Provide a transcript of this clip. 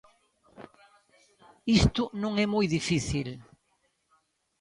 Isto non é moi difícil.